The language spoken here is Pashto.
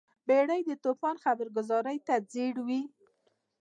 بیړۍ د توپان خبرګذارۍ ته ځیر وي.